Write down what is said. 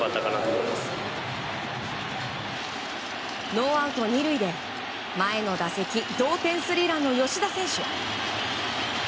ノーアウト２塁で前の打席同点スリーランの吉田選手。